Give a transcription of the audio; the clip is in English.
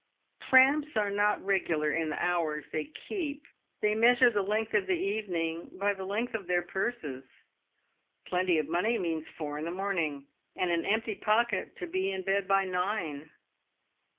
Tramps are not regular in the hours they keep. They measure the length of the evening by the length of their purses. Plenty of money means four in the morning, and an empty pocket, to be in bed by nine.